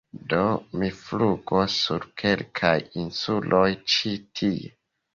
Do mi flugos sur kelkaj insuloj ĉi tie.